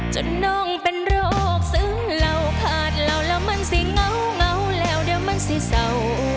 จนน้องเป็นโรคซึ้งเหล่าขาดเหล่าแล้วมันสิเงาแล้วเดี๋ยวมันสิเศร้า